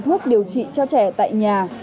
thuốc điều trị cho trẻ tại nhà